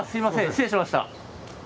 失礼しました。